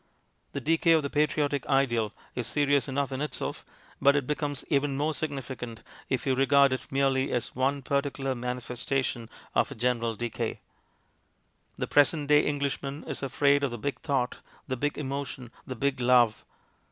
The decay of the patriotic ideal is serious enough in itself, but it becomes even more significant if we regard it merely as one particular manifestation of a general decay. The present day Englishman is afraid of the big thought, the big emotion, the big love.